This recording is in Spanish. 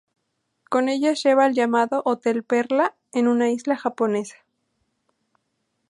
Con ellas lleva el llamado "Hotel Perla", en una isla japonesa.